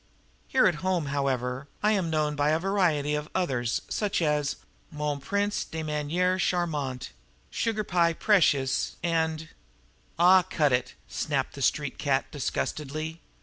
Here at home, however, I am known by a variety of others, such as Mon Prince de Maniere Charmante, Sugar pie precious, and " "Aw, cut it!" snapped the street cat disgustedly.